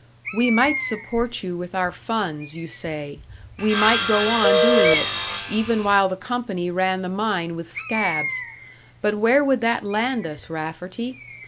"We might support you with our funds, you say we might go on doing it, even while the company ran the mine with scabs. But where would that land us, Rafferty?